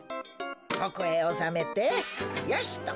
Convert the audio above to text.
ここへおさめてよしと。